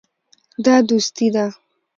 دا دوستي ده.